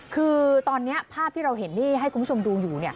คือตอนนี้ภาพที่เราเห็นนี่ให้คุณผู้ชมดูอยู่